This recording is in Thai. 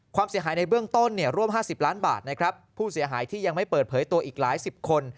ความเสียหายในเบื้องต้นเนี่ยร่วม๕๐ล้านบาทนะครับผู้เสียหายที่ยังไม่เปิดเผยตัวอีกหลายสิบคน